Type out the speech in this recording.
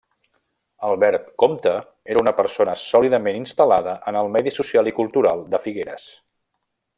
Albert Compte era una persona sòlidament instal·lada en el medi social i cultural de Figueres.